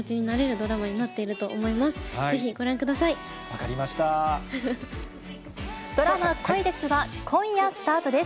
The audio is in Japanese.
ドラマ、恋です！は今夜スタートです。